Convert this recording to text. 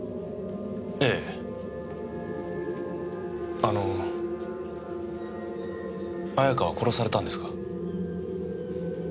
あの綾香は殺されたんですか？